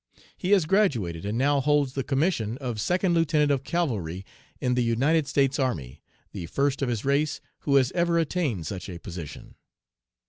He has graduated, and now holds the commission of Second Lieutenant of Cavalry in the United States Army, the first of his race who has ever attained such a position.